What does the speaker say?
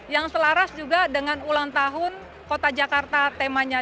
yang selaras juga dengan ulang tahun kota jakarta temanya